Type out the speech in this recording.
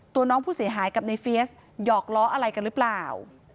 น้องผู้เสียหายกับในเฟียสหยอกล้ออะไรกันหรือเปล่า